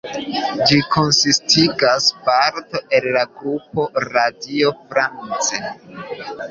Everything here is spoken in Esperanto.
Ĝi konsistigas parton el la grupo Radio France.